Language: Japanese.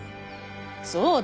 そうだ！